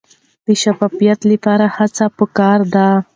د شفافیت لپاره هڅې پکار دي.